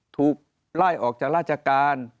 ถูกไล่ออกจากราชการ